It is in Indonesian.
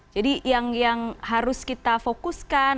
jadi yang harus kita fokuskan